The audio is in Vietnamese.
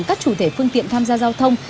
các chủ thể phương tiện tham gia giao thông